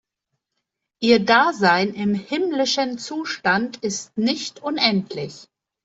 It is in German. Ihr Dasein im ‚himmlischen‘ Zustand ist nicht unendlich.